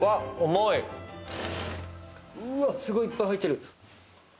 「うわあすごいいっぱい入ってる」